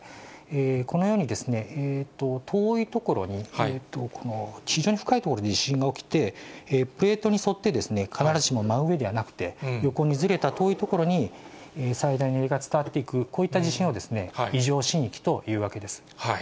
このようにですね、遠い所に、この非常に深い所で地震が起きて、プレートに沿って必ずしも真上ではなくて、横にずれた遠い所に最大の揺れが伝わっていく、こういった地震を異常震域というわけです。